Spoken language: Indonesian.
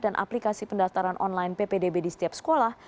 dan aplikasi pendaftaran online ppdb di setiap sekolah